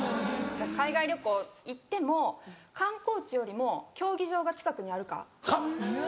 海外旅行行っても観光地よりも競技場が近くにあるかっていう。